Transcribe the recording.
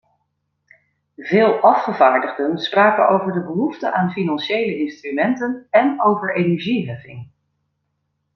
Veel afgevaardigden spraken over de behoefte aan financiële instrumenten en over energieheffing.